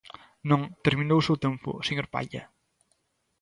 Non, terminou o seu tempo, señor Palla.